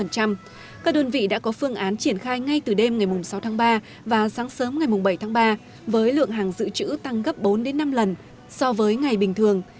các đơn vị đã có phương án triển khai ngay từ đêm ngày sáu tháng ba và sáng sớm ngày bảy tháng ba với lượng hàng dự trữ tăng gấp bốn năm lần so với ngày bình thường